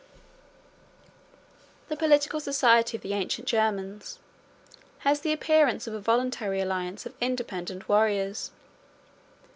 ] The political society of the ancient Germans has the appearance of a voluntary alliance of independent warriors.